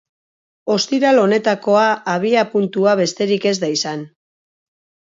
Ostiral honetakoa abiapuntua besterik ez da izan.